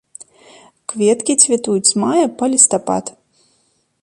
Кветкі цвітуць з мая па лістапад.